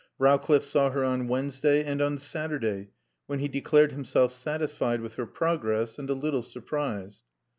Rowcliffe saw her on Wednesday and on Saturday, when he declared himself satisfied with her progress and a little surprised.